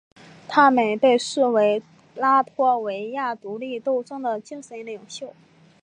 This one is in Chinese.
他们被视为拉脱维亚独立斗争的精神领袖。